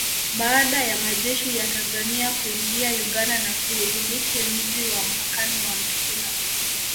Baada ya majeshi ya Tanzania kuingia Uganda na kuudhibiti mji wa mpakani wa Mtukula